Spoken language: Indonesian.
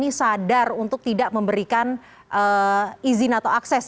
maka masyarakat ini sadar untuk tidak memberikan izin atau akses